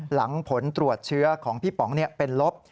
หลังผลตรวจเชื้อของพี่ป๋องเป็นลบ